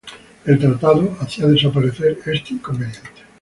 El tratado hacía desaparecer este inconveniente.